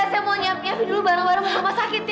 ya saya mau nyampe biar dulu bareng bareng ke rumah sakit ya